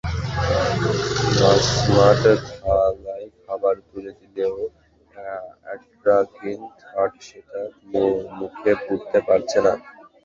মাঝমাঠ থালায় খাবার তুলে দিলেও অ্যাটাকিং থার্ড সেটা মুখে পুরতে পারছে না।